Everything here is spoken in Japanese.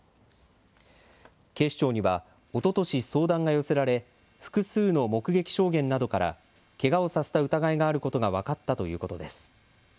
警視庁には、おととし相談が寄せられ複数の目撃証言などからけがをさせた疑いがあることが分かったということです。